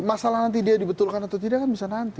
masalah nanti dia dibetulkan atau tidak kan bisa nanti